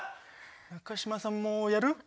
中島さんもやる？